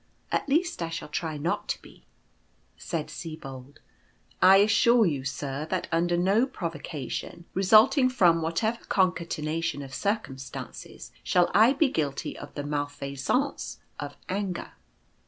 At least, I shall try not to be." Said Sibold :" I assure you, sir, that under no provocation, result ing from whatever concatenation of circumstances, shall I be guilty of the malfaisance of anger."